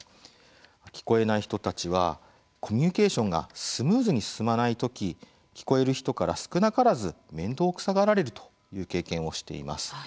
聞こえない人たちはコミュニケーションがスムーズに進まない時聞こえる人から少なからず面倒くさがられるという経験をしています。